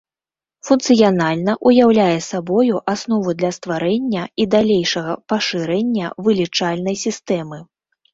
Функцыянальна ўяўляе сабою аснову для стварэння і далейшага пашырэння вылічальнай сістэмы.